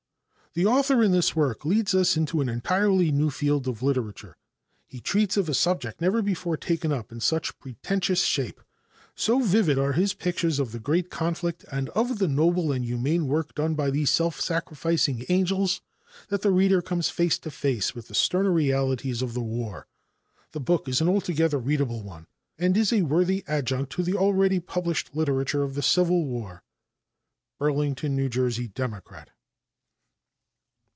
The author in this work leads us into an entirely new field of literature. He treats of a subject never before taken up in such pretentious shape. So vivid are his pictures of the great conflict and of the noble and humane work done by these self sacrificing "angels" that the reader comes face to face with the sterner realities of the war. The book is an altogether readable one, and is a worthy adjunct to the already published literature of the Civil War. Burlington (N. J.) Democrat.